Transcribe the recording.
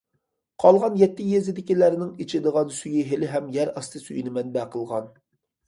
قالغان يەتتە يېزىدىكىلەرنىڭ ئىچىدىغان سۈيى ھېلىھەم يەر ئاستى سۈيىنى مەنبە قىلغان.